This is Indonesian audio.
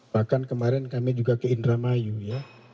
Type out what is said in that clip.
bahkan kemarin kami juga ke indramayu ya